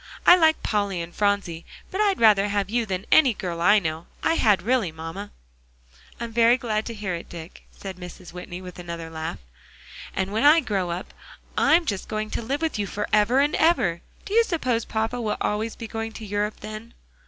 I like Polly and Phronsie; but I'd rather have you than any girl I know; I had really, mamma." "I'm very glad to hear it, Dick," said Mrs. Whitney, with another laugh. "And when I grow up, I'm just going to live with you forever and ever. Do you suppose papa will be always going to Europe then?"